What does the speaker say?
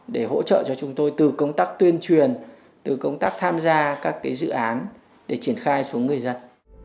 để hỗ trợ cho chúng tôi từ công tác tuyên truyền từ công tác tham gia các dự án để triển khai xuống người dân